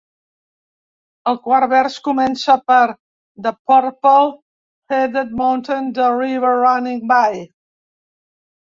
El quart vers comença per "The purple headed mountain, the river running by".